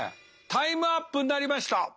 タイムアップになりました。